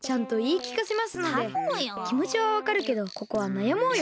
きもちはわかるけどここはなやもうよ！